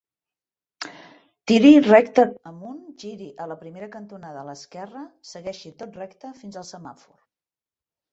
Tiri recte amunt, giri a la primera cantonada a l'esquerra, segueixi tot recte fins al semàfor.